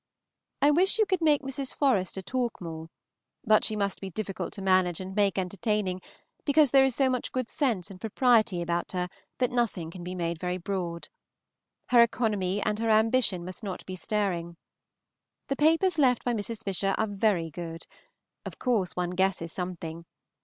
I wish you could make Mrs. Forester talk more; but she must be difficult to manage and make entertaining, because there is so much good sense and propriety about her that nothing can be made very broad. Her economy and her ambition must not be staring. The papers left by Mrs. Fisher are very good. Of course one guesses something.